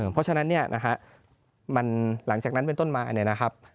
เพราะฉะนั้นหลังจากนั้นเป็นต้นมา